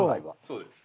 そうです。